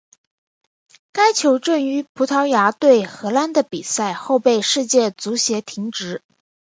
该球证于葡萄牙对荷兰的比赛后被世界足协停职。